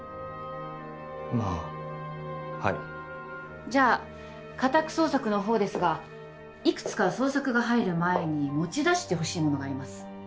まあはいじゃあ家宅捜索の方ですがいくつか捜索が入る前に持ち出してほしいものがあります